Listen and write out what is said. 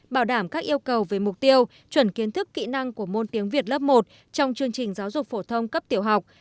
bảo đảm các yêu cầu về mục tiêu chuẩn kiến thức kỹ năng của môn tiếng việt lớp một trong chương trình giáo dục phổ thông cấp tiểu học